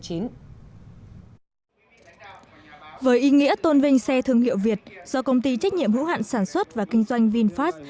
với ý nghĩa tôn vinh xe thương hiệu việt do công ty trách nhiệm hữu hạn sản xuất và kinh doanh vinfast